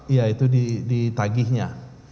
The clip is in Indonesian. iya itu di tagihnya